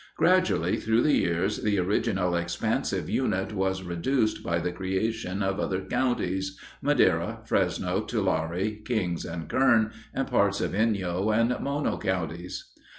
Gradually through the years, the original expansive unit was reduced by the creation of other counties—Madera, Fresno, Tulare, Kings, and Kern, and parts of Inyo and Mono counties.